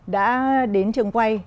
đã đến trường quay